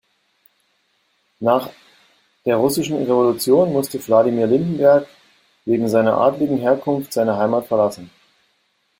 Nach der Russischen Revolution musste Wladimir Lindenberg wegen seiner adligen Herkunft seine Heimat verlassen.